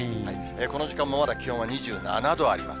この時間もまだ気温は２７度あります。